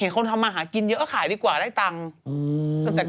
คนทำมาหากินเยอะก็ขายดีกว่าได้ตังค์